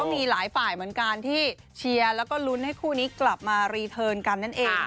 มีหลายฝ่ายเหมือนกันที่เชียร์แล้วก็ลุ้นให้คู่นี้กลับมารีเทิร์นกันนั่นเอง